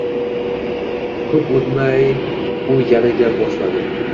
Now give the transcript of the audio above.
Koʻp oʻtmay u yana gap boshladi.